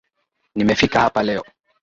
Nimefika hapa leo